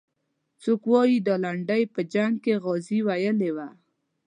څوک وایي دا لنډۍ په جنګ کې غازي ویلې وه.